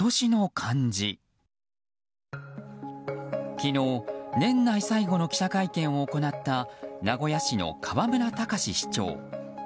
昨日、年内最後の記者会見を行った名古屋市の河村たかし市長。